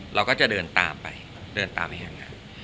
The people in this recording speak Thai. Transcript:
เราก็จะเดินตามไปเดินตามไปอย่างนั้น